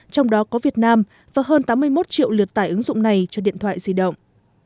trong đó có việt nam và hơn tám mươi một triệu lượt tải ứng dụng này cho điện thoại di động